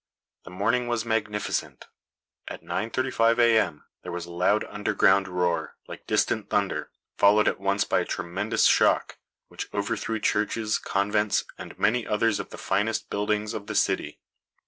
The morning was magnificent. At 9:35 A.M. there was a loud underground roar, like distant thunder, followed at once by a tremendous shock, which overthrew churches, convents, and many others of the finest buildings of the city.